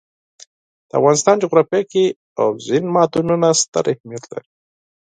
د افغانستان جغرافیه کې اوبزین معدنونه ستر اهمیت لري.